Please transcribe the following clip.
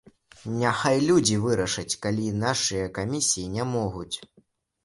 Няхай людзі вырашаць, калі нашыя камісіі не могуць!